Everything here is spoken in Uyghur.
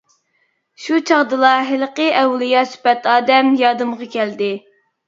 شۇ چاغدىلا ھېلىقى ئەۋلىيا سۈپەت ئادەم يادىمغا كەلدى.